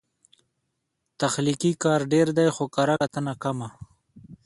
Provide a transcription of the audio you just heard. تخلیقي کار ډېر دی، خو کرهکتنه کمه